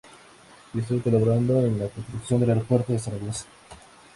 Y estuvo colaborando en la construcción del aeropuerto de Zaragoza.